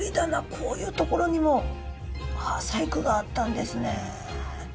こういうところにも細工があったんですね。